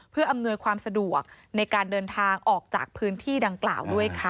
เพื่ออำนวยความสะดวกในการเดินทางออกจากพื้นที่ดังกล่าวด้วยค่ะ